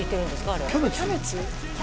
あれキャベツ？